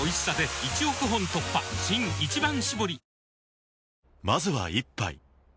新「一番搾り」